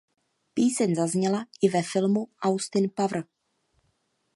Píseň zazněla i ve filmu Austin Powers.